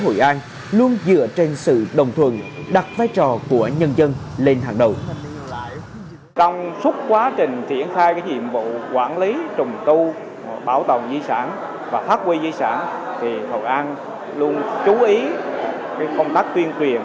hội an luôn dựa trên sự đồng thuận đặt vai trò của nhân dân lên hàng đầu